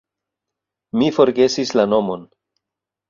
Mi forgesis la nomon.